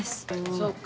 そうか。